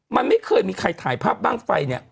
มันไม่เคยมีใครถ่ายภาพบ้างไฟเนี่ย